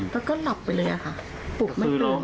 แล้วก็หลับไปเลยอ่ะค่ะปลุกไม่เติม